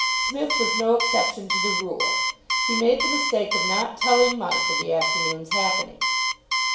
Psmith was no exception to the rule. He made the mistake of not telling Mike of the afternoon's happenings.